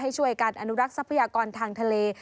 ช่วยกันอนุรักษ์ทรัพยากรทางทะเล